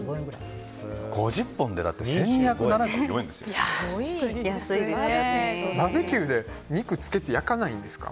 ５０本で１２７４円ですよ。